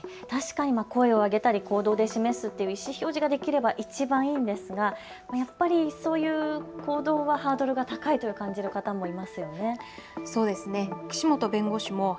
確かに声を上げたり行動で示すという意思表示ができればいちばんいいですがやっぱりそういう行動はハードルが高いと感じる方もいますよね。